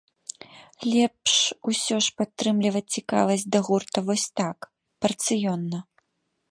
Лепш усё ж падтрымліваць цікавасць да гурта вось так, парцыённа.